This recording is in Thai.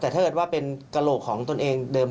แต่ถ้าเกิดว่าเป็นกระโหลกของตนเองเดิม